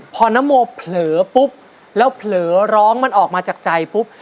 พอนโมเผลอปุ๊บแล้วเผลอร้องมันออกมาจากใจปุ๊บ